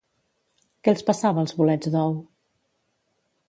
Què els passava als bolets d'ou?